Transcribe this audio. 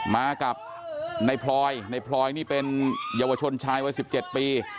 มากับนายพลอยนายพลอยนี่เป็นเยาวชนชายวันสิบเจ็ดปี